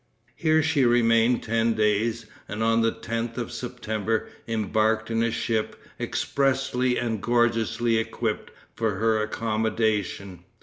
Here she remained ten days, and on the 10th of September embarked in a ship expressly and gorgeously equipped for her accommodation.